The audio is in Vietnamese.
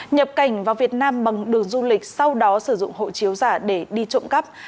nhập cảnh vào việt nam bằng đường du lịch sau đó sử dụng hộ chiếu giả để đi trộm cắp